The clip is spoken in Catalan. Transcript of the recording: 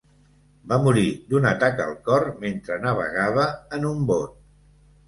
Va morir d'un atac al cor mentre navegava en un bot.